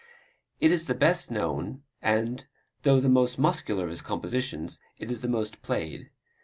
It is the best known and, though the most muscular of his compositions, it is the most played.